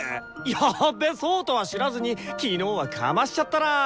やっべそうとは知らずに昨日はかましちゃったな。